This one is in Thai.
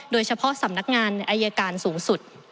โดยเฉพาะสำนักงานอายการสูงสุด